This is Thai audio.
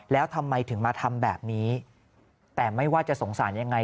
แล้วทำไมถึงมาทำแบบนี้แต่ไม่ว่าจะสงสารยังไง